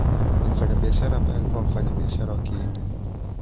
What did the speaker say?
Ni mfanya biashara ambae alikuwa mfanya biashara wa kihindi